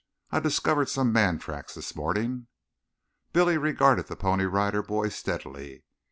I discovered some man tracks this morning." Billy regarded the Pony Rider Boy steadily.